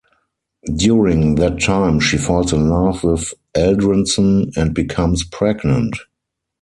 During that time she falls in love with Eldrinson and becomes pregnant.